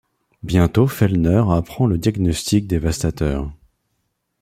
Bientôt Fellner apprend le diagnostic dévastateur.